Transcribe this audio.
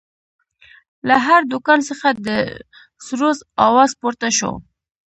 له هر دوکان څخه د سروذ اواز پورته و.